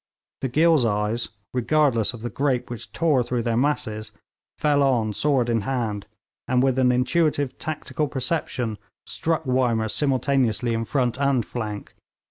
The Ghilzais, regardless of the grape which tore through their masses, fell on sword in hand, and with an intuitive tactical perception struck Wymer simultaneously in front and flank.